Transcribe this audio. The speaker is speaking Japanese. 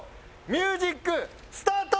ミュージックスタート！